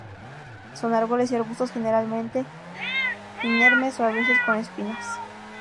Son árboles o arbustos generalmente inermes o a veces con espinas.